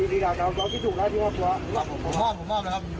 ผมม้อมผมม้อมนะครับ